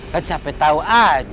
kan siapa tau aja